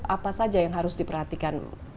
apa saja yang harus diperhatikan